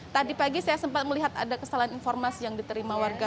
tadi pagi saya sempat melihat ada kesalahan informasi yang diterima warga